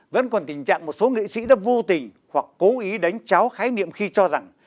vẫn còn tình trạng một số nghệ sĩ đã vô tình hoặc cố ý đánh cháo khái niệm khi cho rằng